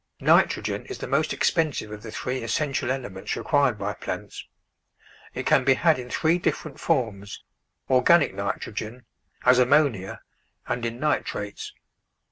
Nitrogen is the most expensive of the three es sential elements required by plants. It can be had THE VEGETABLE GARDEN in three different forms, organic nitrogen, as am monia, and in nitrates.